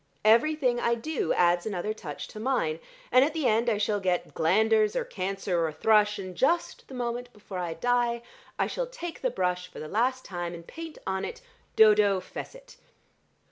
Everything I do adds another touch to mine, and at the end I shall get glanders or cancer or thrush, and just the moment before I die I shall take the brush for the last time and paint on it 'Dodo fecit.'